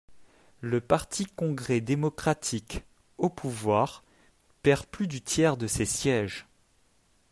Le parti Congrès démocratique, au pouvoir, perd plus du tiers de ses sièges.